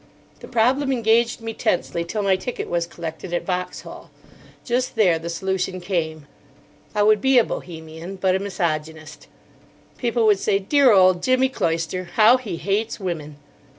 The problem engaged me tensely till my ticket was collected at Vauxhall. Just there the solution came. I would be a Bohemian, but a misogynist. People would say, "Dear old Jimmy Cloyster. How he hates women!"